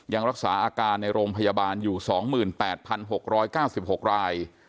ยังรักษาอาการในโรงพยาบาลอยู่๒๘๖๙๖ราย